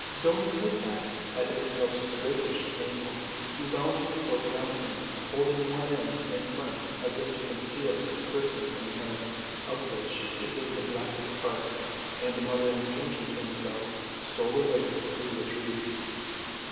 Donning his hat at its most rakish angle, he wound his cloak around him, holding one end in front as if to conceal his person from the night, of which it was the blackest part, and muttering strangely to himself, stole away through the trees.